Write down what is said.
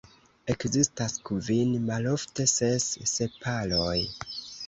Ekzistas kvin (malofte ses) sepaloj.